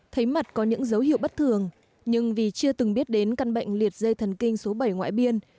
thấy mặt có những dấu hiệu bất thường nhưng vì chưa từng biết đến căn bệnh liệt dây thần kinh số bảy ngoại biên